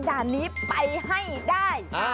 ด่านนี้ไปให้ได้